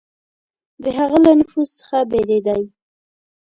د هغه له نفوذ څخه بېرېدی.